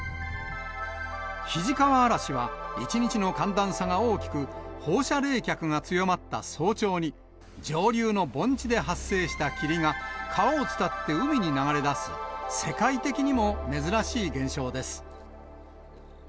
肱川あらしは、１日の寒暖差が大きく、放射冷却が強まった早朝に、上流の盆地で発生した霧が、川を伝って海に流れ出す、世界的にも珍しい現象です。